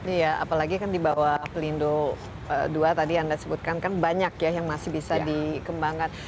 iya apalagi kan di bawah pelindo ii tadi anda sebutkan kan banyak ya yang masih bisa dikembangkan